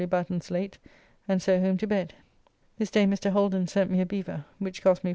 Batten's late, and so home to bed. This day Mr. Holden sent me a bever, which cost me L4 5s.